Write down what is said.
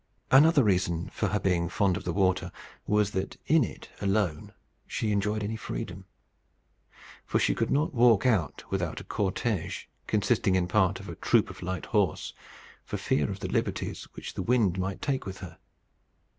Another reason for her being fond of the water was that in it alone she enjoyed any freedom. For she could not walk out without a cort�ge, consisting in part of a troop of light horse, for fear of the liberties which the wind might take with her.